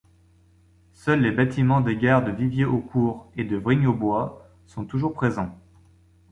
Seul les bâtiments des gares de Vivier-au-Court et de Vrigne-aux-Bois sont toujours présents.